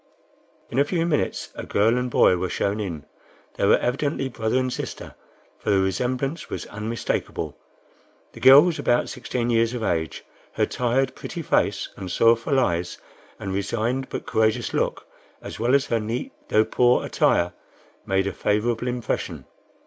In a few minutes a girl and boy were shown in. They were evidently brother and sister, for the resemblance was unmistakable. The girl was about sixteen years of age; her tired pretty face, and sorrowful eyes, and resigned but courageous look, as well as her neat though poor attire, made a favorable impression.